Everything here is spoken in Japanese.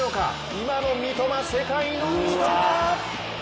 今の三笘、世界の三笘！